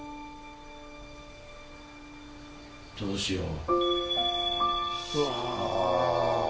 どうしよう。